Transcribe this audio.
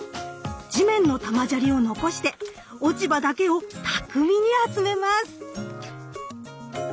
地面の玉砂利を残して落ち葉だけを巧みに集めます。